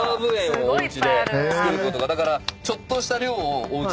だから。